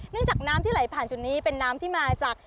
จากน้ำที่ไหลผ่านจุดนี้เป็นน้ำที่มาจาก